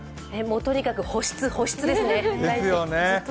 とにかく保湿、保湿ですね。